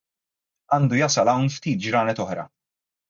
Għandu jasal hawn ftit ġranet oħra.